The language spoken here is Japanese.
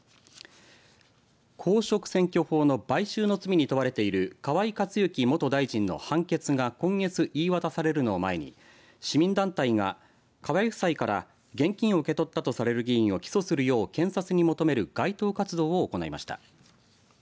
公職選挙法の買収の罪に問われている河井克行元大臣の判決が今月、言い渡されるのを前に市民団体が河井夫妻から現金を受け取ったとされる議員を起訴するよう検察に求める街頭活動を行いました。